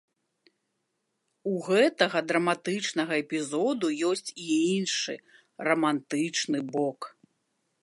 У гэтага драматычнага эпізоду ёсць і іншы, рамантычны бок.